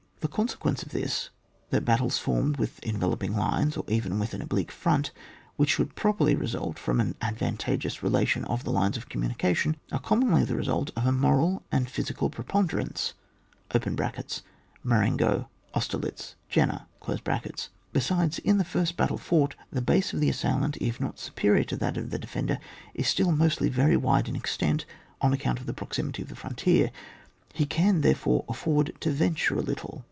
The consequence of this is, that battles formed with enveloping lines, or even with an oblique front, which should pro* perly result from an advantageous rela tion of the lines of communication, are commonly the result of a moral and phy« sical preponderance (Marengo, Auster litz, Jena). Besides, in the first battle fought, the base of the assailant, if not superior to that of the defender, is still mostly veiy wide in extent, on account of the proximity of the frontier; he can, therefore, afford to venture a little.